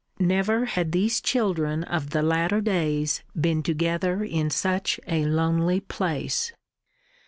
Never had these children of the latter days been together in such a lonely place.